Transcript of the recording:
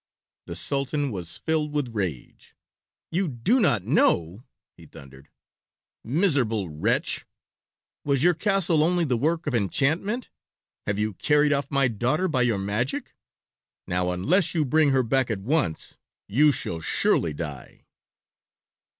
The Sultan was filled with rage. "You do not know!" he thundered. "Miserable wretch! was your castle only the work of enchantment? Have you carried off my daughter by your magic? Now unless you bring her back at once you shall surely die."